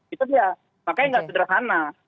itu dia makanya nggak sederhana